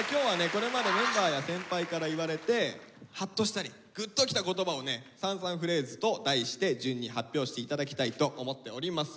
これまでメンバーや先輩から言われてハッとしたりグッときた言葉をね「ＳＵＮＳＵＮフレーズ」と題して順に発表して頂きたいと思っております。